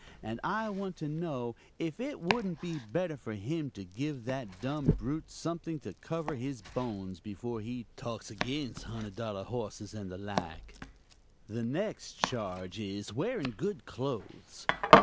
And I want to know if it wouldn't be better for him to give that dumb brute something to cover his bones, before he talks against 'hunder dollur hossis' and the like? "The next charge is, wearing good clothes.